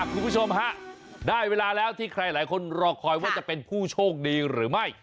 คุณผู้ชมฮะได้เวลาแล้วที่ใครหลายคนรอคอยว่าจะเป็นผู้โชคดีหรือไม่